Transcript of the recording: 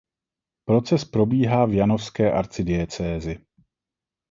Proces probíhá v Janovské arcidiecézi.